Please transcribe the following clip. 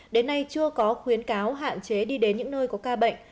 đến nay chưa có khuyến cáo hạn chế đi đến những nơi có ca bệnh